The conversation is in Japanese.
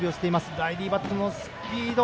ライリー・バットのスピード。